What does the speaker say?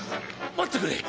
待ってくれ！